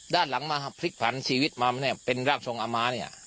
ด้านหลังมาพลิกผันชีวิตมาเนี่ยเป็นร่างทรงอาม้าเนี่ย